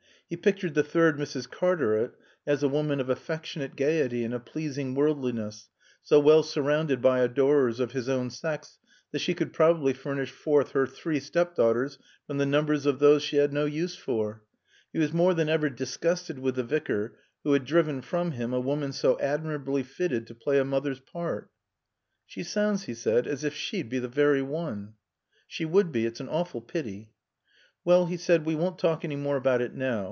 He pictured the third Mrs. Cartaret as a woman of affectionate gaiety and a pleasing worldliness, so well surrounded by adorers of his own sex that she could probably furnish forth her three stepdaughters from the numbers of those she had no use for. He was more than ever disgusted with the Vicar who had driven from him a woman so admirably fitted to play a mother's part. "She sounds," he said, "as if she'd be the very one." "She would be. It's an awful pity." "Well," he said, "we won't talk any more about it now.